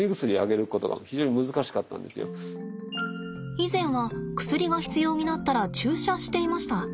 以前は薬が必要になったら注射していました。